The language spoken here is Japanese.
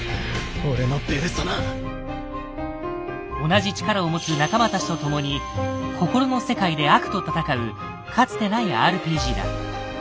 同じ力を持つ仲間たちとともに「心の世界」で悪と戦うかつてないＲＰＧだ。